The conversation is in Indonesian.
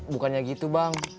bukannya gitu bang